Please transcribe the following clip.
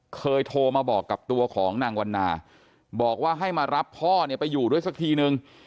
เคยโทรมาบอกกับตัวของนางวันนาบอกว่าให้มารับพ่อเนี่ยไปอยู่ด้วยสักทีนึง